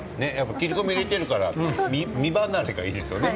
切り込みを入れているから身離れがいいですよね。